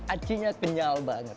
acinya kenyal banget